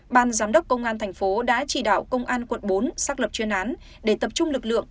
ban giám đốc công an thành phố đã chỉ đạo công an quận bốn xác lập chuyên án để tập trung lực lượng